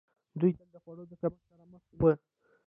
دوی تل د خوړو د کمښت سره مخ وو.